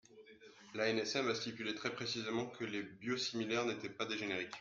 L’ANSM a stipulé très précisément que les biosimilaires n’étaient pas des génériques.